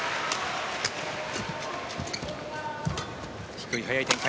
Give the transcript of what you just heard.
低い早い展開。